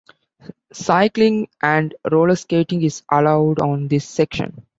Cycling and rollerskating is allowed on this section.